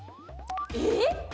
えっ？